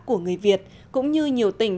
của người việt cũng như nhiều tỉnh